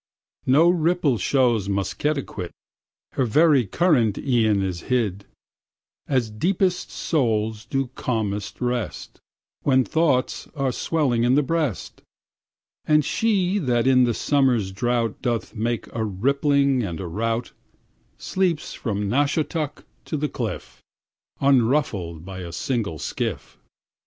No ripple shows Musketaquid, Her very current e'en is hid, As deepest souls do calmest rest, When thoughts are swelling in the breast, And she that in the summer's drought Doth make a rippling and a rout, Sleeps from Nahshawtuck to the Cliff, Unruffled by a single skiff.